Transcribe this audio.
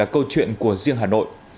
câu chuyện của riêng hà nội